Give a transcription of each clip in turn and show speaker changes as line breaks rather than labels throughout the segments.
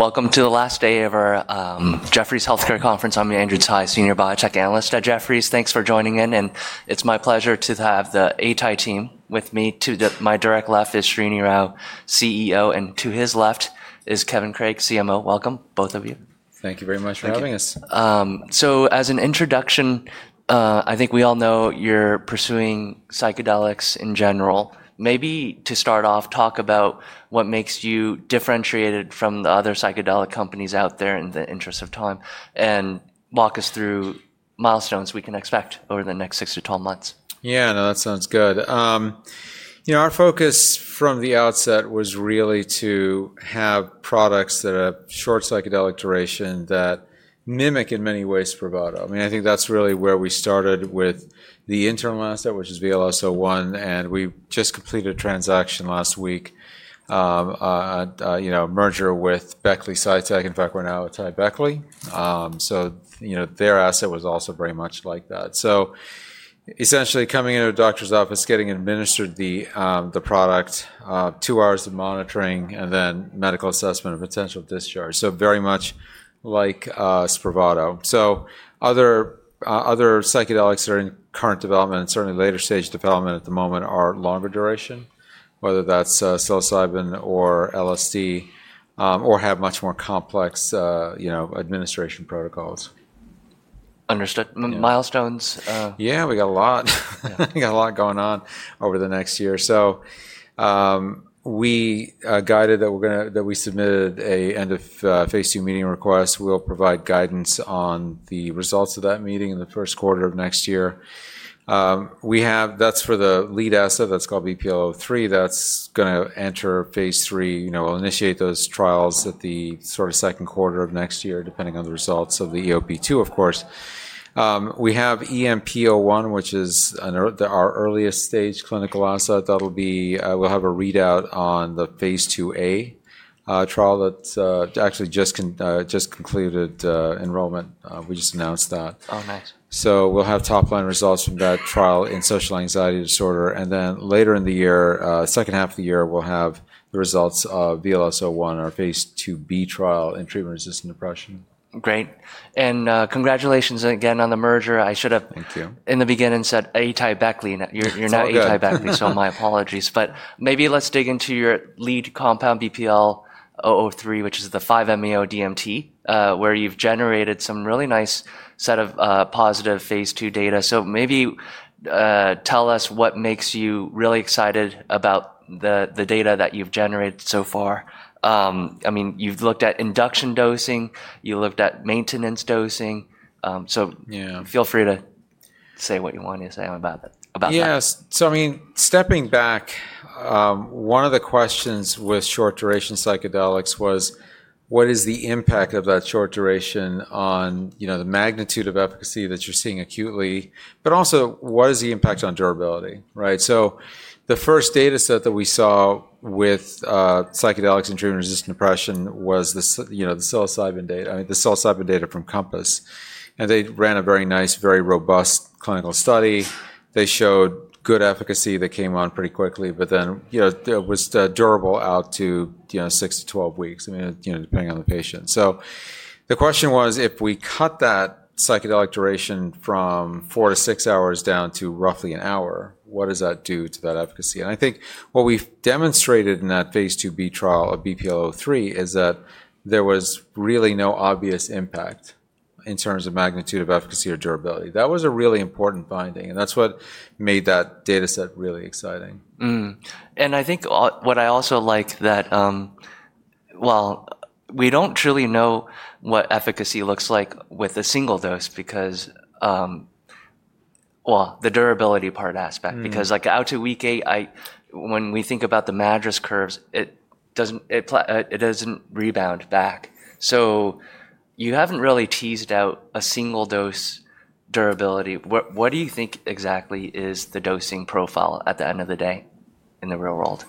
Welcome to the last day of our Jefferies healthcare conference. I'm Andrew Tai, Senior Biotech Analyst at Jefferies. Thanks for joining in, and it's my pleasure to have the Atai team with me. To my direct left is Srinivas, CEO, and to his left is Kevin Craig, CMO. Welcome, both of you.
Thank you very much for having us.
As an introduction, I think we all know you're pursuing psychedelics in general. Maybe to start off, talk about what makes you differentiated from the other psychedelic companies out there in the interest of time, and walk us through milestones we can expect over the next 6-12 months.
Yeah, no, that sounds good. Our focus from the outset was really to have products that are short psychedelic duration that mimic in many ways Spravato. I think that's really where we started with the internal asset, which is VLS-01, and we just completed a transaction last week, a merger with Beckley Psytech. In fact, we're now AtaiBeckley. Their asset was also very much like that. Essentially coming into a doctor's office, getting administered the product, two hours of monitoring, and then medical assessment and potential discharge. Very much like Spravato. Other psychedelics that are in current development, and certainly later stage development at the moment, are longer duration, whether that's psilocybin or LSD, or have much more complex administration protocols.
Understood. Milestones?
Yeah, we got a lot. We got a lot going on over the next year. We guided that we submitted an end-of-phase II meeting request. We'll provide guidance on the results of that meeting in the 1st quarter of next year. That's for the lead asset that's called BPL-003. That's going to enter phase III. We'll initiate those trials at the 2nd quarter of next year, depending on the results of the EOP2, of course. We have EMP-01, which is our earliest stage clinical asset that'll be we'll have a readout on the phase II-A trial that actually just concluded enrollment. We just announced that.
Oh, nice.
We'll have top line results from that trial in social anxiety disorder. Later in the year, 2nd half of the year, we'll have the results of VLS-01, our phase II-B trial in treatment-resistant depression.
Great. Congratulations again on the merger. I should have.
Thank you.
In the beginning said AtaiBeckley. You're not AtaiBeckley, so my apologies. Maybe let's dig into your lead compound, BPL-003, which is the 5-MeO-DMT, where you've generated some really nice set of positive phase II data. Maybe tell us what makes you really excited about the data that you've generated so far. I mean, you've looked at induction dosing, you looked at maintenance dosing. Feel free to say what you want to say about that.
Yes. I mean, stepping back, one of the questions with short duration psychedelics was, what is the impact of that short duration on the magnitude of efficacy that you're seeing acutely? Also, what is the impact on durability? The first data set that we saw with psychedelics in treatment-resistant depression was the psilocybin data, I mean, the psilocybin data from Compass. They ran a very nice, very robust clinical study. They showed good efficacy. They came on pretty quickly, but then it was durable out to 6-12 weeks, depending on the patient. The question was, if we cut that psychedelic duration from four to six hours down to roughly an hour, what does that do to that efficacy? I think what we've demonstrated in that phase II-B trial of BPL-003 is that there was really no obvious impact in terms of magnitude of efficacy or durability. That was a really important finding, and that's what made that data set really exciting.
I think what I also like that, well, we don't truly know what efficacy looks like with a single dose because, well, the durability part aspect, because out to week eight, when we think about the MADRS curves, it doesn't rebound back. You haven't really teased out a single dose durability. What do you think exactly is the dosing profile at the end of the day in the real world?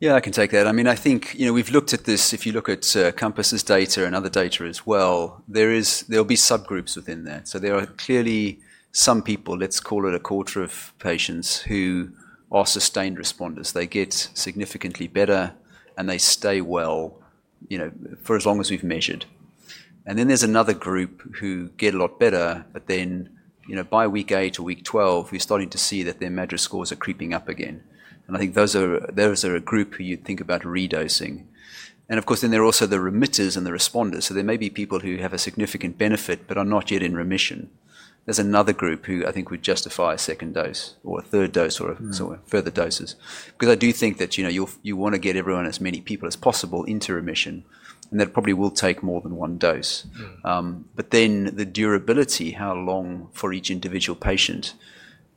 Yeah, I can take that. I mean, I think we've looked at this. If you look at Compass's data and other data as well, there'll be subgroups within there. There are clearly some people, let's call it a quarter of patients who are sustained responders. They get significantly better, and they stay well for as long as we've measured. There is another group who get a lot better, but by week eight or week 12, we're starting to see that their MADRS scores are creeping up again. I think those are a group who you'd think about redosing. Of course, there are also the remitters and the responders. There may be people who have a significant benefit, but are not yet in remission. There's another group who I think would justify a 2nd dose or a 3rd dose or further doses. Because I do think that you want to get everyone, as many people as possible, into remission, and that probably will take more than one dose. The durability, how long for each individual patient,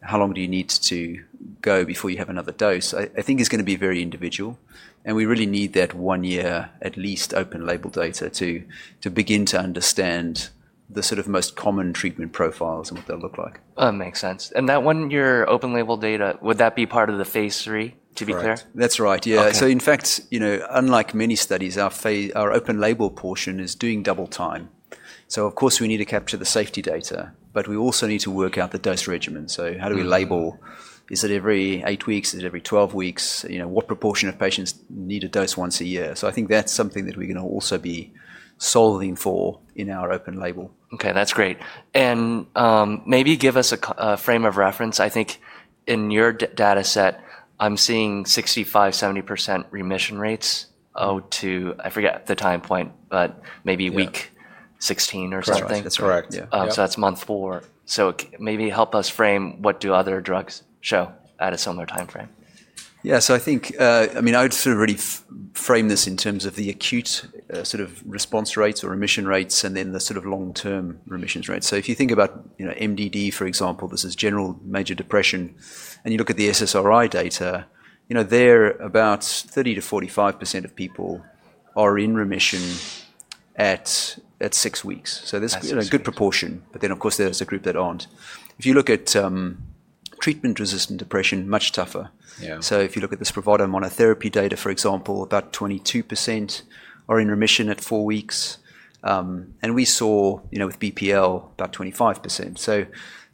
how long do you need to go before you have another dose, I think is going to be very individual. We really need that one year, at least open label data to begin to understand the most common treatment profiles and what they'll look like.
That makes sense. That one year open label data, would that be part of the phase III, to be clear?
That's right. Yeah. In fact, unlike many studies, our open label portion is doing double time. Of course, we need to capture the safety data, but we also need to work out the dose regimen. How do we label? Is it every eight weeks? Is it every 12 weeks? What proportion of patients need a dose once a year? I think that's something that we're going to also be solving for in our open label.
Okay, that's great. Maybe give us a frame of reference. I think in your data set, I'm seeing 65-70% remission rates to, I forget the time point, but maybe week 16 or something.
That's correct. Yeah.
That's month four. Maybe help us frame what do other drugs show at a similar time frame.
Yeah. So, I think, I mean, I'd sort of really frame this in terms of the acute response rates or remission rates and then the long-term remissions rates. If you think about MDD, for example, this is general major depression, and you look at the SSRI data, there about 30%-45% of people are in remission at six weeks. That's a good proportion. Of course, there's a group that aren't. If you look at treatment-resistant depression, much tougher. If you look at this Spravato monotherapy data, for example, about 22% are in remission at four weeks. We saw with BPL-003 about 25%.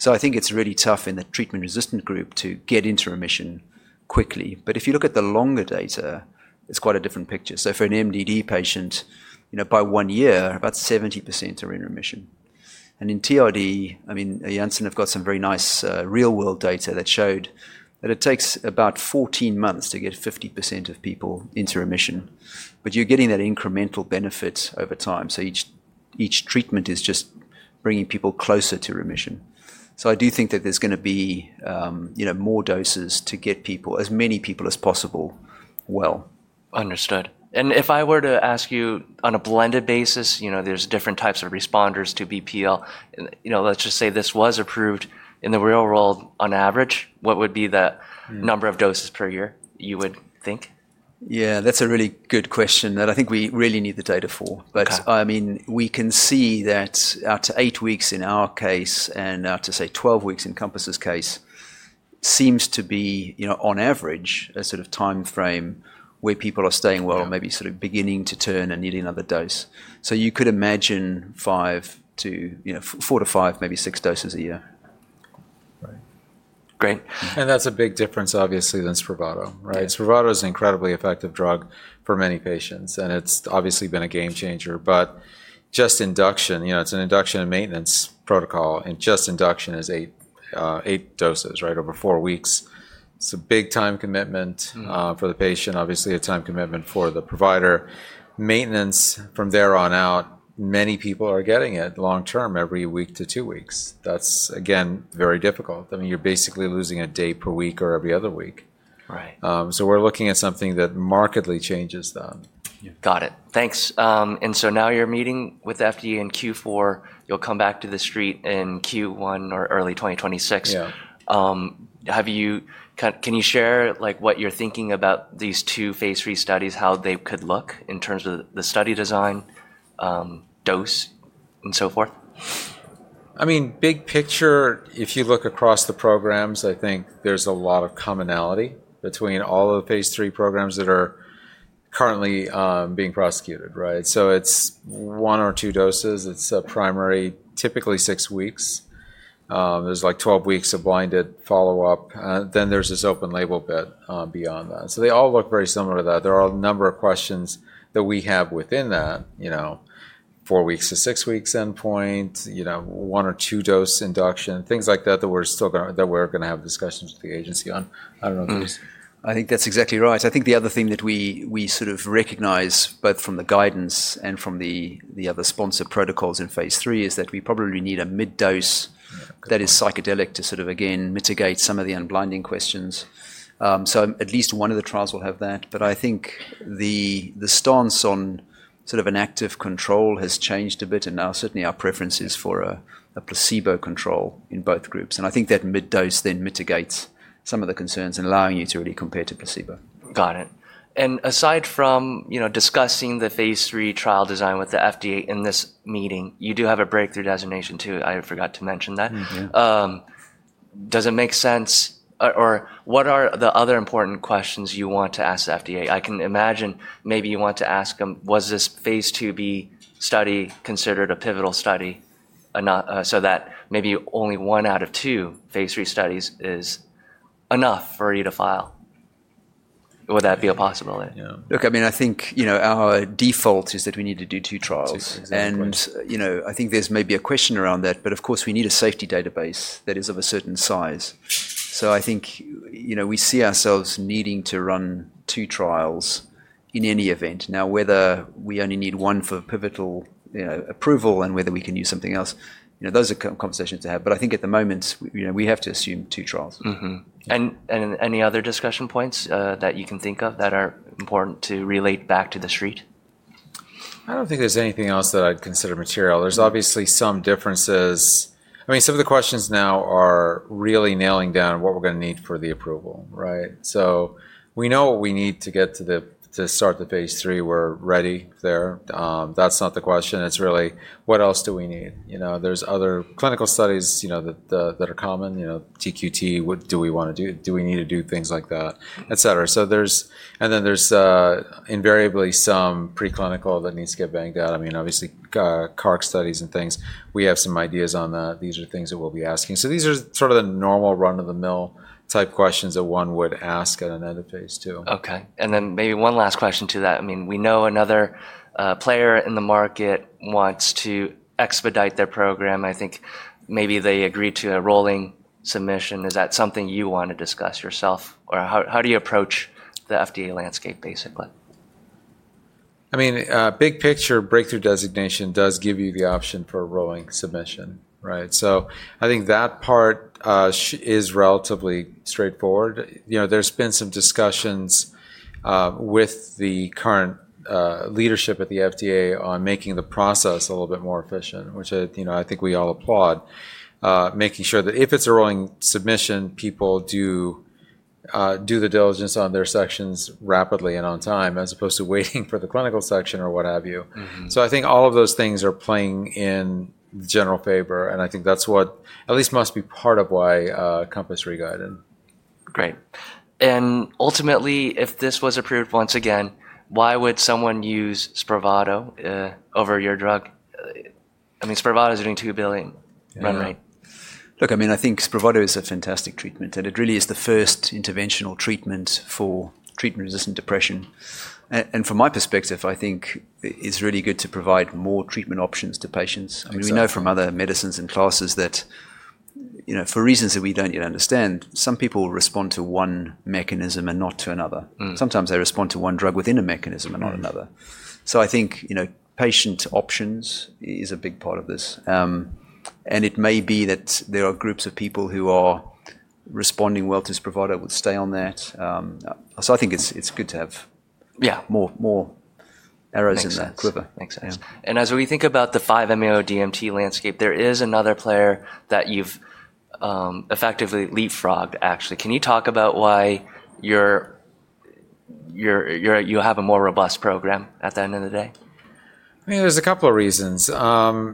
I think it's really tough in the treatment-resistant group to get into remission quickly. If you look at the longer data, it's quite a different picture. For an MDD patient, by one year, about 70% are in remission. In TRD, I mean, Janssen have got some very nice real-world data that showed that it takes about 14 months to get 50% of people into remission. You're getting that incremental benefit over time. Each treatment is just bringing people closer to remission. I do think that there's going to be more doses to get people, as many people as possible, well.
Understood. If I were to ask you on a blended basis, there's different types of responders to BPL, let's just say this was approved in the real world, on average, what would be the number of doses per year you would think?
Yeah, that's a really good question that I think we really need the data for. I mean, we can see that out to eight weeks in our case and out to, say, 12 weeks in Compass's case seems to be, on average, a time frame where people are staying well, maybe beginning to turn and needing another dose. You could imagine four to five, maybe six doses a year.
Great.
That's a big difference, obviously, than Spravato. Spravato is an incredibly effective drug for many patients, and it's obviously been a game changer. Just induction, it's an induction and maintenance protocol, and just induction is eight doses over four weeks. It's a big time commitment for the patient, obviously a time commitment for the provider. Maintenance from there on out, many people are getting it long term, every week to two weeks. That's, again, very difficult. I mean, you're basically losing a day per week or every other week. We're looking at something that markedly changes that.
Got it. Thanks. Now you're meeting with FDA in Q4. You'll come back to the street in Q1 or early 2026. Can you share what you're thinking about these two phase III studies, how they could look in terms of the study design, dose, and so forth?
I mean, big picture, if you look across the programs, I think there's a lot of commonality between all of the phase III programs that are currently being prosecuted. It is one or two doses. It is a primary, typically six weeks. There is like 12 weeks of blinded follow-up. There is this open label bit beyond that. They all look very similar to that. There are a number of questions that we have within that, four weeks to six weeks endpoint, one or two dose induction, things like that that we are going to have discussions with the agency on. I do not know.
I think that's exactly right. I think the other thing that we recognize both from the guidance and from the other sponsored protocols in phase III is that we probably need a mid-dose that is psychedelic to again mitigate some of the unblinding questions. At least one of the trials will have that. I think the stance on an active control has changed a bit, and now certainly our preference is for a placebo control in both groups. I think that mid-dose then mitigates some of the concerns and allowing you to really compare to placebo.
Got it. Aside from discussing the phase III trial design with the FDA in this meeting, you do have a breakthrough designation too. I forgot to mention that. Does it make sense? What are the other important questions you want to ask the FDA? I can imagine maybe you want to ask them, was this phase II-B study considered a pivotal study so that maybe only one out of two phase III studies is enough for you to file? Would that be a possibility?
Yeah. Look, I mean, I think our default is that we need to do two trials. I think there's maybe a question around that, but of course, we need a safety database that is of a certain size. I think we see ourselves needing to run two trials in any event. Now, whether we only need one for pivotal approval and whether we can use something else, those are conversations to have. I think at the moment, we have to assume two trials.
there any other discussion points that you can think of that are important to relate back to the street?
I don't think there's anything else that I'd consider material. There's obviously some differences. I mean, some of the questions now are really nailing down what we're going to need for the approval. We know what we need to start the phase III. We're ready there. That's not the question. It's really, what else do we need? There are other clinical studies that are common. TQT, what do we want to do? Do we need to do things like that, et cetera? There is invariably some preclinical that needs to get banged out. I mean, obviously, CARC studies and things. We have some ideas on that. These are things that we'll be asking. These are sort of the normal run-of-the-mill type questions that one would ask at another phase II.
Okay. Maybe one last question to that. I mean, we know another player in the market wants to expedite their program. I think maybe they agreed to a rolling submission. Is that something you want to discuss yourself? How do you approach the FDA landscape, basically?
I mean, big picture, breakthrough designation does give you the option for a rolling submission. I think that part is relatively straightforward. There have been some discussions with the current leadership at the FDA on making the process a little bit more efficient, which I think we all applaud. Making sure that if it's a rolling submission, people do the diligence on their sections rapidly and on time, as opposed to waiting for the clinical section or what have you. I think all of those things are playing in general favor. I think that's what at least must be part of why Compass re-guided.
Great. Ultimately, if this was approved once again, why would someone use Spravato over your drug? I mean, Spravato is doing $2 billion run rate.
Look, I mean, I think Spravato is a fantastic treatment, and it really is the first interventional treatment for treatment-resistant depression. From my perspective, I think it's really good to provide more treatment options to patients. I mean, we know from other medicines and classes that for reasons that we don't yet understand, some people respond to one mechanism and not to another. Sometimes they respond to one drug within a mechanism and not another. I think patient options is a big part of this. It may be that there are groups of people who are responding well to Spravato would stay on that. I think it's good to have more arrows in the quiver.
As we think about the 5-MeO-DMT landscape, there is another player that you've effectively leapfrogged, actually. Can you talk about why you have a more robust program at the end of the day?
I mean, there's a couple of reasons. The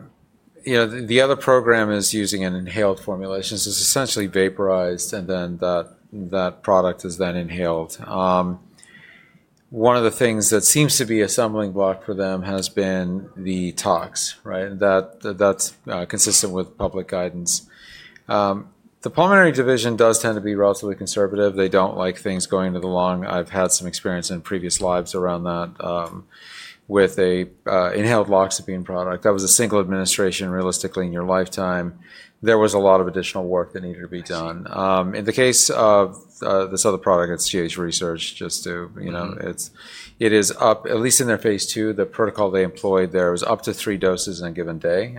other program is using an inhaled formulation. It's essentially vaporized, and then that product is then inhaled. One of the things that seems to be a stumbling block for them has been the tox. That's consistent with public guidance. The pulmonary division does tend to be relatively conservative. They don't like things going into the lung. I've had some experience in previous lives around that with an inhaled loxapine product. That was a single administration, realistically, in your lifetime. There was a lot of additional work that needed to be done. In the case of this other product, it's GH Research, just to it is up, at least in their phase II, the protocol they employed there was up to three doses in a given day.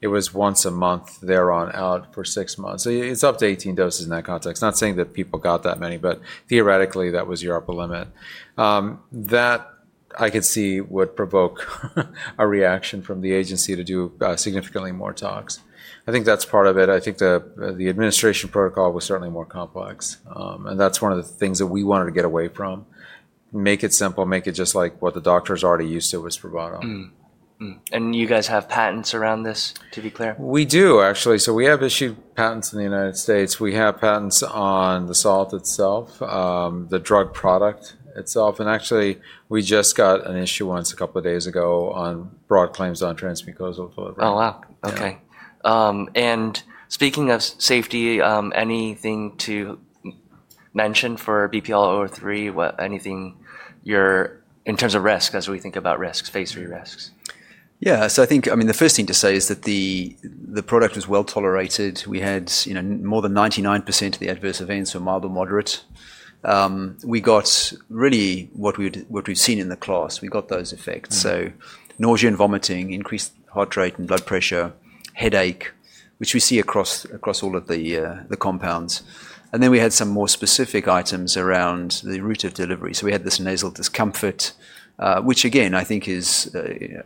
It was once a month there on out for six months. It's up to 18 doses in that context. Not saying that people got that many, but theoretically, that was your upper limit. That, I could see, would provoke a reaction from the agency to do significantly more tox. I think that's part of it. I think the administration protocol was certainly more complex. That's one of the things that we wanted to get away from. Make it simple. Make it just like what the doctors are already used to with Spravato.
You guys have patents around this, to be clear?
We do, actually. We have issued patents in the United States. We have patents on the salt itself, the drug product itself. Actually, we just got an issue once a couple of days ago on broad claims on transmucosal delivery.
Oh, wow. Okay. Speaking of safety, anything to mention for BPL-003? Anything in terms of risks, as we think about risks, phase III risks?
Yeah. I think, I mean, the first thing to say is that the product was well tolerated. We had more than 99% of the adverse events were mild or moderate. We got really what we've seen in the class. We got those effects. Nausea and vomiting, increased heart rate and blood pressure, headache, which we see across all of the compounds. We had some more specific items around the route of delivery. We had this nasal discomfort, which, again, I think is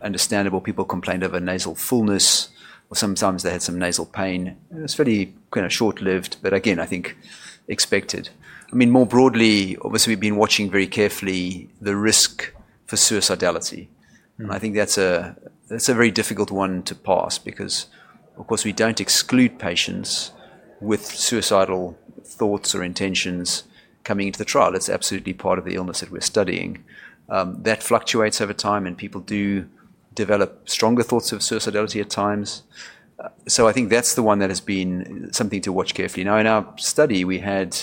understandable. People complained of a nasal fullness, or sometimes they had some nasal pain. It was fairly short-lived, but again, I think expected. I mean, more broadly, obviously, we've been watching very carefully the risk for suicidality. I think that's a very difficult one to pass because, of course, we don't exclude patients with suicidal thoughts or intentions coming into the trial. It's absolutely part of the illness that we're studying. That fluctuates over time, and people do develop stronger thoughts of suicidality at times. I think that's the one that has been something to watch carefully. In our study, we had,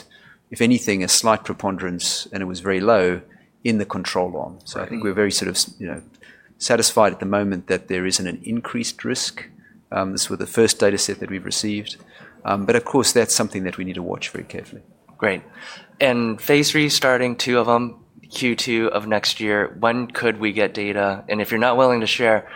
if anything, a slight preponderance, and it was very low in the control arm. I think we're very satisfied at the moment that there isn't an increased risk. This was the first dataset that we've received. Of course, that's something that we need to watch very carefully.
Great. Phase III starting, two of them, Q2 of next year. When could we get data? If you're not willing to share,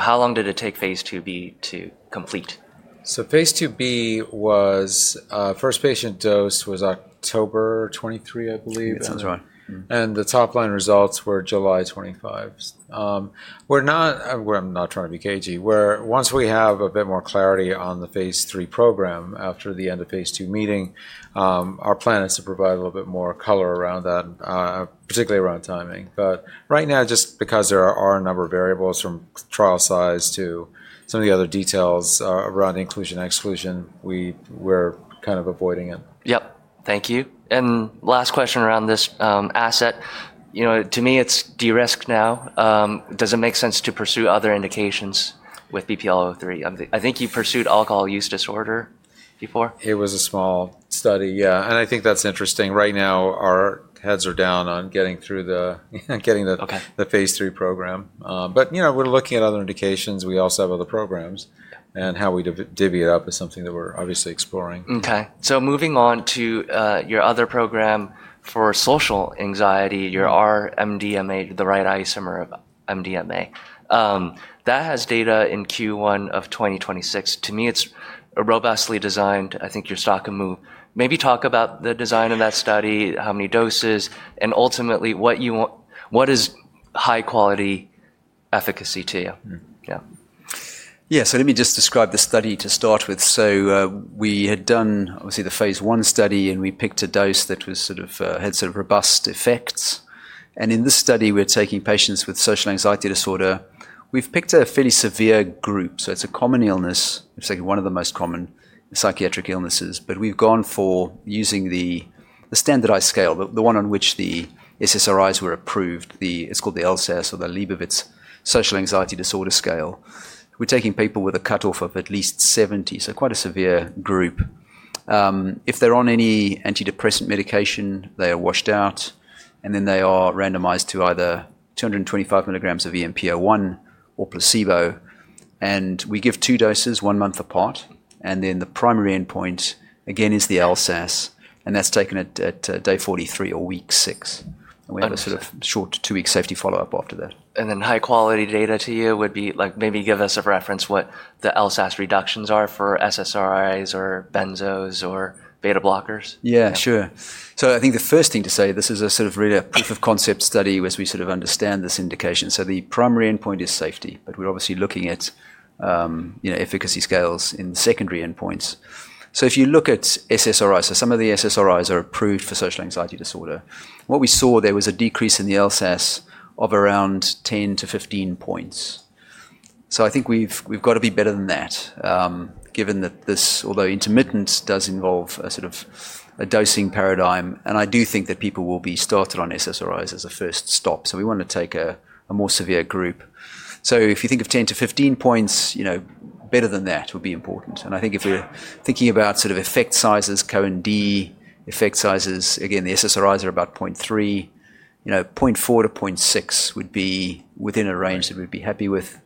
how long did it take phase II-B to complete?
Phase II-B was first patient dose was October 23, I believe.
That sounds right.
The top line results were July 25. I'm not trying to be cagey, where once we have a bit more clarity on the phase III program after the end of phase II meeting, our plan is to provide a little bit more color around that, particularly around timing. Right now, just because there are a number of variables from trial size to some of the other details around inclusion and exclusion, we're kind of avoiding it.
Yep. Thank you. Last question around this asset. To me, it's de-risk now. Does it make sense to pursue other indications with BPL-003? I think you pursued alcohol use disorder before.
It was a small study. Yeah. I think that's interesting. Right now, our heads are down on getting through the phase III program. We are looking at other indications. We also have other programs. How we divvy it up is something that we're obviously exploring.
Okay. Moving on to your other program for social anxiety, your R-MDMA, the right isomer of MDMA. That has data in Q1 of 2026. To me, it's robustly designed. I think your stock can move. Maybe talk about the design of that study, how many doses, and ultimately, what is high-quality efficacy to you? Yeah.
Yeah. Let me just describe the study to start with. We had done, obviously, the phase I study, and we picked a dose that had robust effects. In this study, we're taking patients with social anxiety disorder. We've picked a fairly severe group. It's a common illness. It's one of the most common psychiatric illnesses. We've gone for using the standardized scale, the one on which the SSRIs were approved. It's called the LSAS or the Liebowitz Social Anxiety Scale. We're taking people with a cutoff of at least 70. Quite a severe group. If they're on any antidepressant medication, they are washed out. They are randomized to either 225 mg of EMP-01 or placebo. We give two doses one month apart. The primary endpoint, again, is the LSAS. That's taken at day 43 or week six. We have a short two-week safety follow-up after that.
High-quality data to you would be maybe give us a reference what the LSAS reductions are for SSRIs or benzos or beta blockers?
Yeah, sure. I think the first thing to say, this is a proof of concept study as we understand this indication. The primary endpoint is safety, but we're obviously looking at efficacy scales in secondary endpoints. If you look at SSRIs, some of the SSRIs are approved for social anxiety disorder. What we saw, there was a decrease in the LSAS of around 10-15 points. I think we've got to be better than that, given that this, although intermittent, does involve a dosing paradigm. I do think that people will be started on SSRIs as a first stop. We want to take a more severe group. If you think of 10-15 points, better than that would be important. I think if we're thinking about effect sizes, Cohen's d effect sizes, again, the SSRIs are about 0.3. 0.4-0.6 would be within a range that we'd be happy with.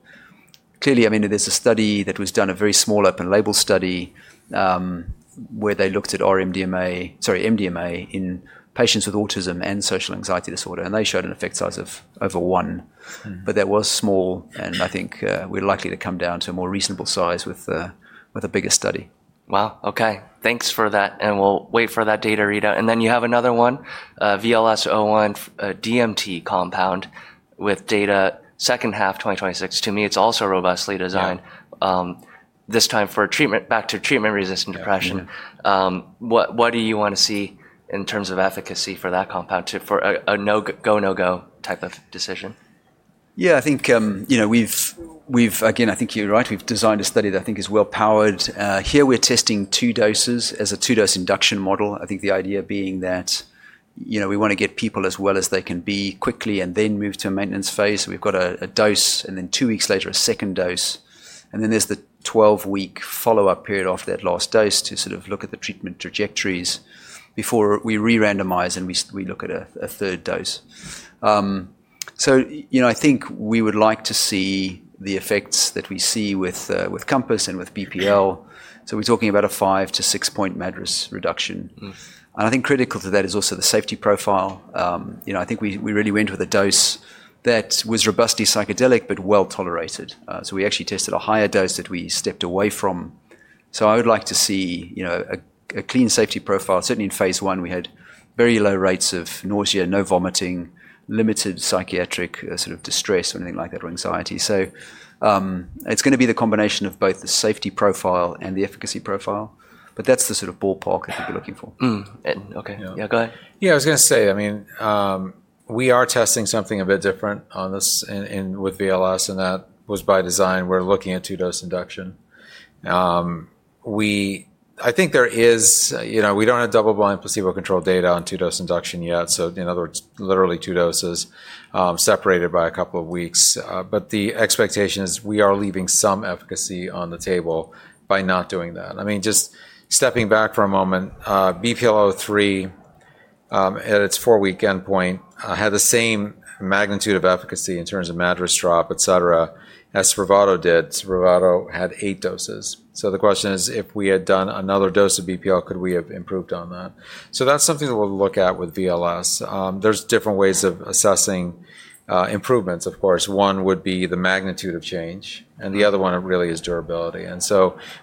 Clearly, I mean, there's a study that was done, a very small open-label study, where they looked at R-MDMA, sorry, MDMA in patients with autism and social anxiety disorder. They showed an effect size of over one. That was small. I think we're likely to come down to a more reasonable size with a bigger study.
Wow. Okay. Thanks for that. We'll wait for that data readout. You have another one, VLS-01 DMT compound with data 2nd half 2026. To me, it's also robustly designed, this time for treatment, back to treatment-resistant depression. What do you want to see in terms of efficacy for that compound for a no-go, no-go type of decision?
Yeah, I think we've, again, I think you're right. We've designed a study that I think is well powered. Here, we're testing two doses as a two-dose induction model. I think the idea being that we want to get people as well as they can be quickly and then move to a maintenance phase. We've got a dose, and then two weeks later, a 2nd dose. There's the 12-week follow-up period off that last dose to look at the treatment trajectories before we re-randomize and we look at a third dose. I think we would like to see the effects that we see with Compass and with BPL. We're talking about a five to six-point MADRS reduction. I think critical to that is also the safety profile. I think we really went with a dose that was robustly psychedelic but well tolerated. We actually tested a higher dose that we stepped away from. I would like to see a clean safety profile. Certainly, in phase I, we had very low rates of nausea, no vomiting, limited psychiatric distress or anything like that or anxiety. It is going to be the combination of both the safety profile and the efficacy profile. That is the ballpark I think we are looking for.
Okay. Yeah, go ahead.
Yeah, I was going to say, I mean, we are testing something a bit different on this with VLS, and that was by design. We're looking at two-dose induction. I think there is, we don't have double-blind placebo-controlled data on two-dose induction yet. In other words, literally two doses separated by a couple of weeks. The expectation is we are leaving some efficacy on the table by not doing that. I mean, just stepping back for a moment, BPL-003 at its four-week endpoint had the same magnitude of efficacy in terms of MADRS drop, etc., as Spravato did. Spravato had eight doses. The question is, if we had done another dose of BPL, could we have improved on that? That's something that we'll look at with VLS. There's different ways of assessing improvements, of course. One would be the magnitude of change. The other one really is durability.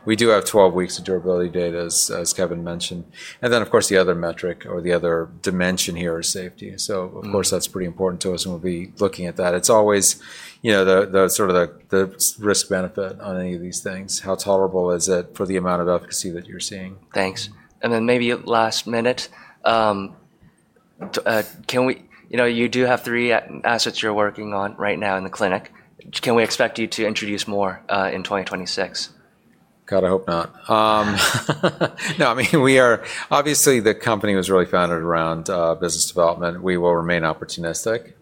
We do have 12 weeks of durability data, as Kevin mentioned. Of course, the other metric or the other dimension here is safety. Of course, that's pretty important to us, and we'll be looking at that. It's always the risk-benefit on any of these things. How tolerable is it for the amount of efficacy that you're seeing?
Thanks. Maybe last minute, you do have three assets you're working on right now in the clinic. Can we expect you to introduce more in 2026?
God, I hope not. No, I mean, we are, obviously, the company was really founded around business development. We will remain opportunistic.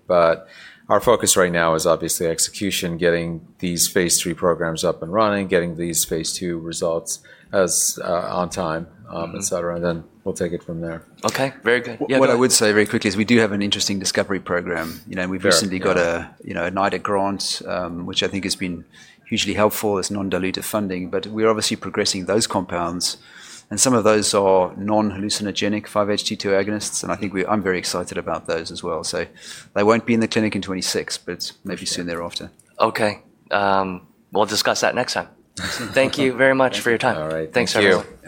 Our focus right now is obviously execution, getting these phase III programs up and running, getting these phase II results on time, etc. We will take it from there.
Okay. Very good. Yeah.
What I would say very quickly is we do have an interesting discovery program. We've recently got a NIDA grant, which I think has been hugely helpful. It's non-dilutive funding. We're obviously progressing those compounds. Some of those are non-hallucinogenic 5-HT2 agonists. I think I'm very excited about those as well. They won't be in the clinic in 2026, but maybe soon thereafter.
Okay. We'll discuss that next time. Thank you very much for your time.
All right. Thanks for your.